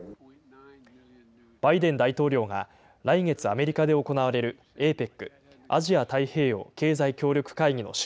バイデン大統領が、来月アメリカで行われるＡＰＥＣ・アジア太平洋経済協力会議の首